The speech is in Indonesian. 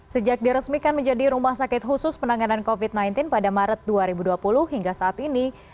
sejak diresmikan menjadi rumah sakit khusus penanganan covid sembilan belas pada maret dua ribu dua puluh hingga saat ini